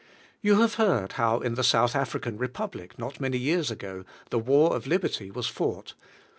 You have heard how in the South African Republic not many years ago the war of liberty was fought.